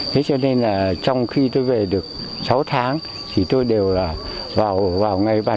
thế cho nên là trong khi tôi về được sáu tháng thì tôi đều là vào ngay bàn